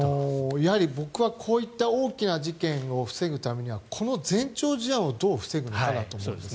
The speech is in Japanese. やはり僕はこういった大きな事件を防ぐためにはこの前兆事案をどう防ぐかがだと思うんです。